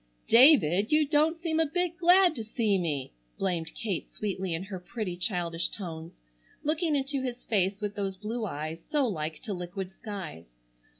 "David, you don't seem a bit glad to see me," blamed Kate sweetly in her pretty, childish tones, looking into his face with those blue eyes so like to liquid skies.